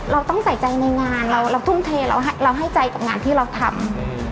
เราต้องใส่ใจในงานเราทุ่มเทเราให้ใจกับงานที่เราทำ